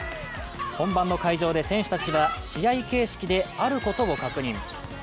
本番の会場で、選手たちは試合会場であることを確認。